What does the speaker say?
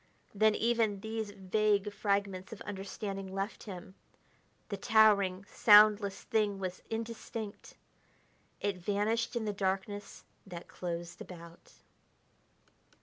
Then even these vague fragments of understanding left him. The towering, soundless thing was indistinct ... it vanished in the darkness that closed about....